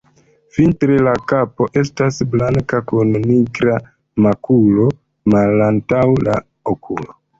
Vintre la kapo estas blanka kun nigra makulo malantaŭ la okulo.